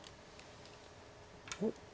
おっ。